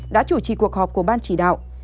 đã chủ trì cuộc họp của ban chỉ đạo